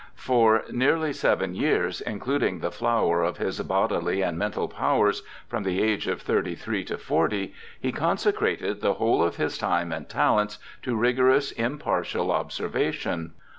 For nearly seven years, including the flower of his bodily and mental powers (from the age of thirty three to forty), he con secrated the whole of his time and talents to rigorous, impartial observation.